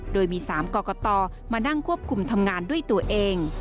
โดยมี๓กรกตมานั่งควบคุมทำงานด้วยตัวเอง